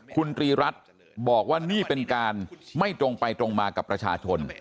คุณตรีรัฐบอกว่านี่เป็นการไม่ตรงไปตรงมากับประชาชน